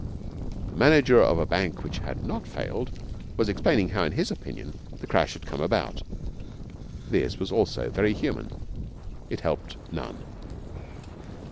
The manager of a bank which had not failed was explaining how, in his opinion, the crash had come about. This was also very human. It helped none.